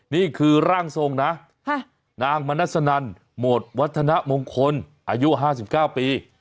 นี่คือร่างทรงนะนางมนัสนันโหมดวัฒนมงคลอายุ๕๙ปี